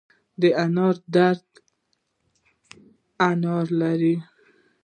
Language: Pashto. د انار دره انار لري